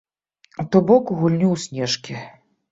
То бок у гульню ў снежкі.